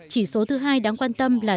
chỉ số thứ hai đáng quan tâm là